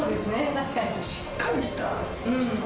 確かに。